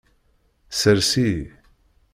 Sers-iyi.